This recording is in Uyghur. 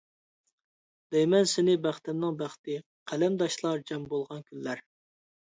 دەيمەن سېنى بەختىمنىڭ بەختى، قەلەمداشلار جەم بولغان كۈنلەر.